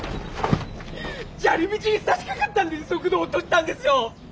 じゃり道にさしかかったんで速度を落としたんですよ。